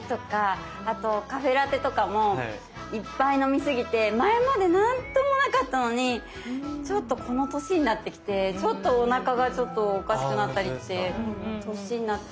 あとカフェラテとかもいっぱい飲み過ぎて前まで何ともなかったのにちょっとこの年になってきてちょっとおなかがちょっとおかしくなったりって年になってあるんです。